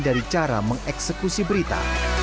dari cara mengeksekusi berita